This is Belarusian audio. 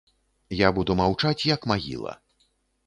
Я буду маўчаць як магіла.